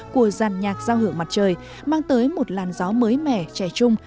của dàn nhạc giao hưởng mặt trời mang tới một làn gió mới mẻ trẻ trung